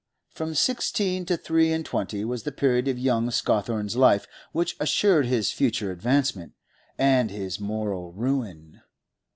From sixteen to three and twenty was the period of young Scawthorne's life which assured his future advancement—and his moral ruin.